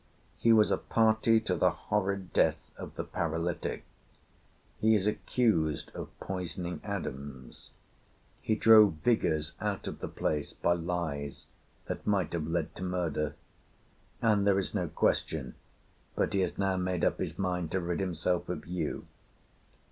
He was a party to the horrid death of the paralytic; he is accused of poisoning Adams; he drove Vigours out of the place by lies that might have led to murder; and there is no question but he has now made up his mind to rid himself of you.